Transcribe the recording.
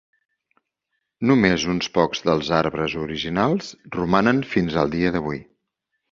Només uns pocs dels arbres originals romanen fins al dia d'avui.